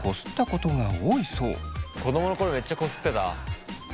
子供の頃めっちゃこすってた。